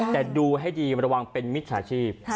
แต่ดูให้ดีระวังเป็นมิจฉาชีพ